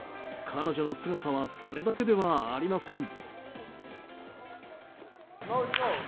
彼女のすごさはそれだけではありません。